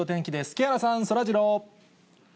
木原さん、そらジロー。